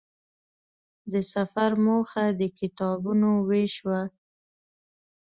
د سفر موخه د کتابونو وېش وه.